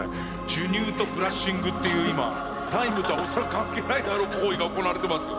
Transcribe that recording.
授乳とブラッシングっていう今タイムとは恐らく関係ないであろう行為が行われています。